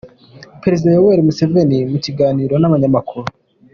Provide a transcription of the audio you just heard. Perezida Yoweri Museveni mu kiganiro n’Abanyamakuru